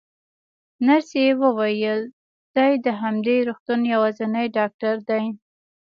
نرسې وویل: دی د همدې روغتون یوازینی ډاکټر دی.